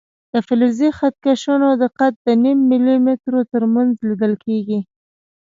د فلزي خط کشونو دقت د نیم ملي مترو تر منځ لیدل کېږي.